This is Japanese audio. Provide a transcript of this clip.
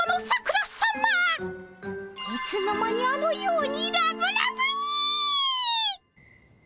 いつの間にあのようにラブラブに！